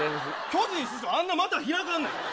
巨人師匠あんな股開かんねん。